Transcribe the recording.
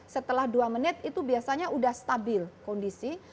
setelah dua menit itu biasanya sudah stabil kondisi